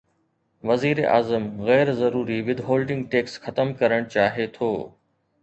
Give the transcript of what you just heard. وزيراعظم غير ضروري ود هولڊنگ ٽيڪس ختم ڪرڻ چاهي ٿو